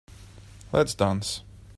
Let's dance.